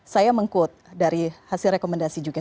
saya meng quote dari hasil rekomendasi juga